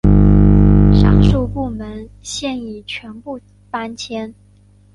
上述部门现已全部搬迁。